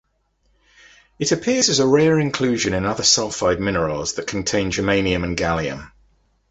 It appears as a rare inclusion in other sulphide minerals that contain germanium and gallium.